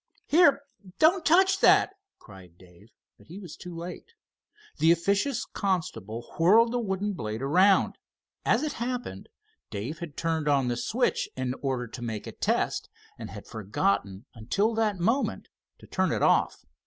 "Here, don't touch that!" cried Dave, but he was too late. The officious constable whirled the wooden blade around. As it happened Dave had turned on the switch in order to make a test, and had forgotten, until that moment, to turn it off.